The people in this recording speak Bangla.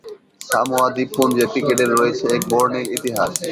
সামোয়া দ্বীপপুঞ্জে ক্রিকেটের রয়েছে এক বর্ণিল ইতিহাস।